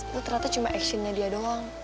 lo ternyata cuma aksinya dia doang